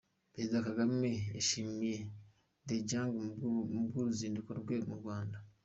Perezida Kagame yashimiye Dejiang ku bw’uruzinduko rwe mu Rwanda